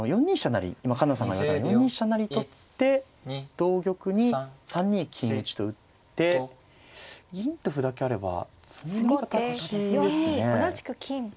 環那さんが言われた４二飛車成取って同玉に３二金打と打って銀と歩だけあれば詰み形ですね。